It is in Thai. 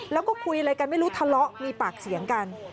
แล้วก็คุยอะไรกันไม่รู้ทะเลาะมีปากเสียงกัน